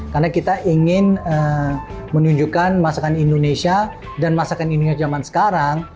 karena kita ingin menunjukkan masakan indonesia dan masakan indonesia zaman sekarang